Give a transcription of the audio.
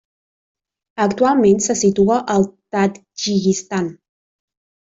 Actualment se situa al Tadjikistan.